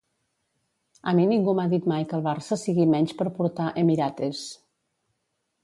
A mi ningú m'ha dit mai que el Barça sigui menys per portar 'Emirates'.